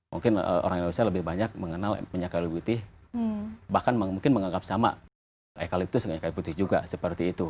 mungkin orang indonesia lebih banyak mengenal punya eukalyptus bahkan mungkin menganggap sama eukalyptus dengan eukalyptus juga seperti itu